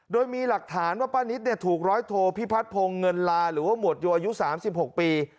โดยมีหลักฐานว่าป้านิตเนี่ยถูกร้อยโทรพิพัดพงษ์เงินลาหรือว่าหมวดอยู่อายุสามสิบหกปี